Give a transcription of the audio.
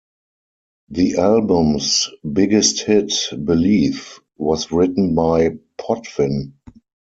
The album's biggest hit, "Believe", was written by Potvin.